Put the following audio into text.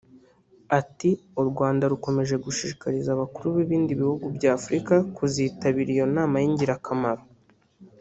Ati “U Rwanda rukomeje gushishikariza abakuru b’ibindi bihugu by’Afurika kuzitabira iyo nama y’ingirakamaro